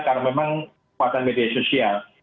karena memang kekuatan media sosial